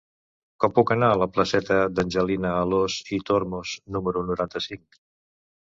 Com puc anar a la placeta d'Angelina Alòs i Tormos número noranta-cinc?